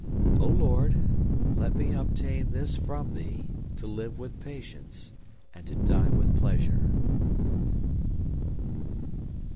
"O Lord, let me obtain this from Thee To live with patience, and to die with pleasure!